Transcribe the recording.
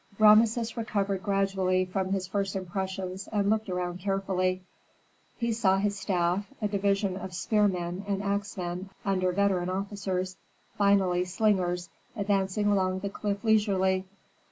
Rameses recovered gradually from his first impressions and looked around carefully. He saw his staff, a division of spearmen and axemen under veteran officers, finally slingers, advancing along the cliff leisurely.